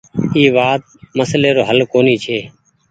اي وآت مسلي رو هل ڪونيٚ ڇي۔